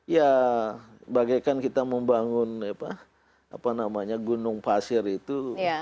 ya bagaikan kita membangun gunung pasir itu